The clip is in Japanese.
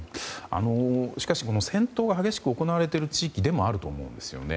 しかし、戦闘が激しく行われている地域でもあると思うんですよね。